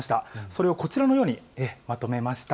それをこちらのようにまとめまし